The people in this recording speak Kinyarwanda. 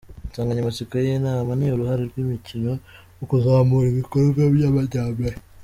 Insanganyamatsiko y’iyi nama ni uruhare rw’imikino mu kuzamura ibikorwa by’amajyambere.